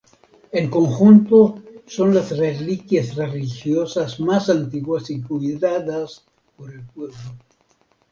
En conjunto, son las reliquias religiosas más antiguas y cuidadas por el pueblo.